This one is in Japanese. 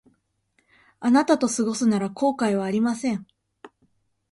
あなたと過ごすなら後悔はありません